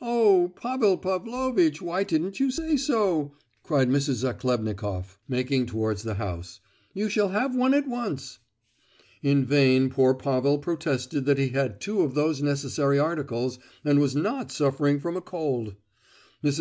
"Oh, Pavel Pavlovitch, why didn't you say so?" cried Mrs. Zachlebnikoff, making towards the house; "you shall have one at once." In vain poor Pavel protested that he had two of those necessary articles, and was not suffering from a cold. Mrs.